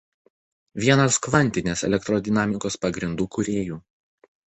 Vienas kvantinės elektrodinamikos pagrindų kūrėjų.